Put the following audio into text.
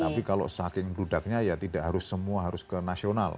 tapi kalau saking bludaknya ya tidak harus semua harus ke nasional